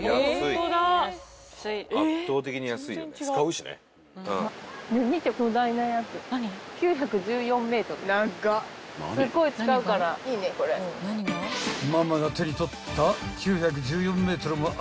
［ママが手に取った９１４ｍもある長いものは］